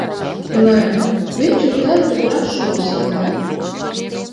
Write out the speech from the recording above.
Nē, viņš ir tēta brašulis, vai ne?